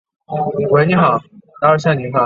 中南树鼠属等之数种哺乳动物。